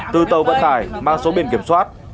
từ tàu vận tải mang số biển kiểm soát